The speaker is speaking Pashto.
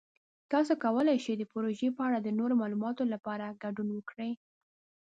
تاسو کولی شئ د پروژې په اړه د نورو معلوماتو لپاره ګډون وکړئ.